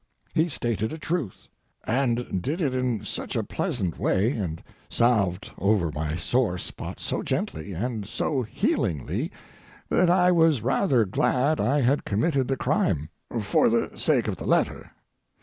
He stated a truth, and did it in such a pleasant way, and salved over my sore spot so gently and so healingly, that I was rather glad I had committed the crime for the sake of the letter.